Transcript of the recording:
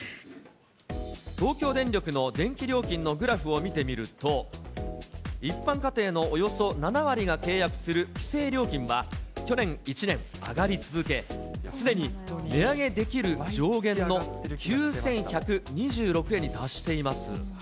東京電力の電気料金のグラフを見てみると、一般家庭のおよそ７割が契約する規制料金は、去年１年、上がり続け、すでに値上げできる上限の９１２６円に達しています。